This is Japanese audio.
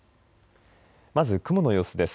まず雲の様子です。